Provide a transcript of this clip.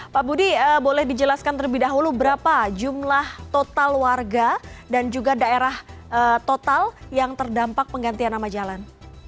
pak budi boleh dijelaskan terlebih dahulu berapa jumlah total warga dan juga daerah total yang terdampak penggantian nama jalan